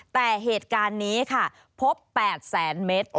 แต่เหตุการณ์นี้พบ๘๐๐๐๐๐เม็ด